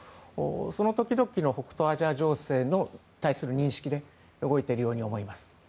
その時々の北東アジア情勢に対する認識で動いているように思います。